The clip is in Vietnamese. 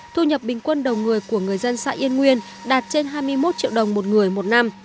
thu nhập bình quân đầu người của người dân xã yên nguyên đạt trên hai mươi một triệu đồng một người một năm